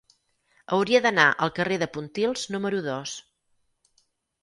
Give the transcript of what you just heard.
Hauria d'anar al carrer de Pontils número dos.